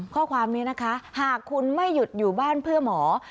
ข้อความนี้นะคะหากคุณไม่หยุดอยู่บ้านเพื่อหมอ